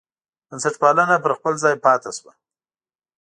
بنسټپالنه پر خپل ځای پاتې شوه.